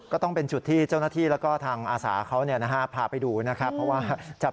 ก็ต้องเป็นจุดที่เจ้าหน้าที่แล้วก็ทางอาสาเขาพาไปดูนะครับ